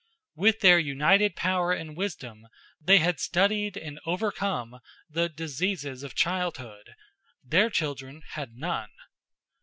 With their united power and wisdom, they had studied and overcome the "diseases of childhood" their children had none.